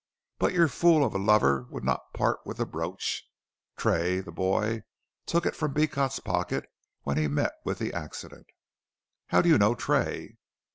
But your fool of a lover would not part with the brooch. Tray, the boy, took it from Beecot's pocket when he met with that accident " "How do you know Tray?"